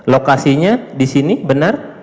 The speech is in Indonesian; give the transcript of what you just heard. lokasinya di sini benar